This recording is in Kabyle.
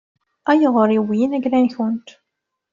Ayɣer i wwin ayla-nkent?